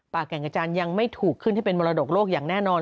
แก่งกระจานยังไม่ถูกขึ้นให้เป็นมรดกโลกอย่างแน่นอน